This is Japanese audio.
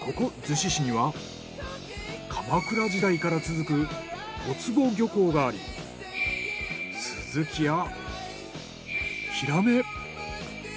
逗子市には鎌倉時代から続く小坪漁港がありスズキやヒラメ。